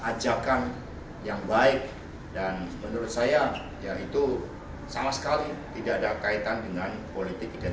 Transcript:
ajakan yang baik dan menurut saya ya itu sama sekali tidak ada kaitan dengan politik identitas